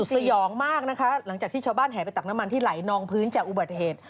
สยองมากนะคะหลังจากที่ชาวบ้านแห่ไปตักน้ำมันที่ไหลนองพื้นจากอุบัติเหตุ